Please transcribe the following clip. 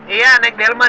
iya naik delman